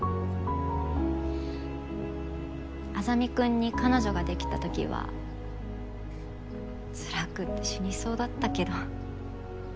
莇君に彼女ができたときはつらくて死にそうだったけど。